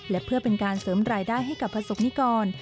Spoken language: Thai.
และเพื่อเป็นการเสริมรายได้ให้กับประสบนิกร